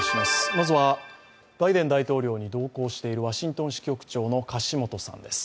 まずはバイデン大統領に同行しているワシントン支局長の樫元さんです。